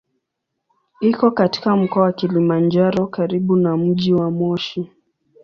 Iko katika Mkoa wa Kilimanjaro karibu na mji wa Moshi.